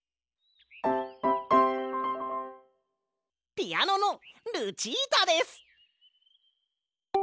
ピアノのルチータです！